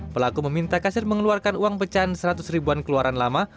pelaku meminta kasir mengeluarkan uang pecahan seratus ribuan keluaran lama